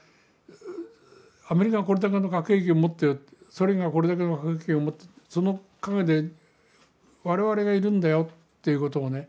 アメリカがこれだけの核兵器を持ってるソ連がこれだけの核兵器を持ってるその陰で我々がいるんだよということをね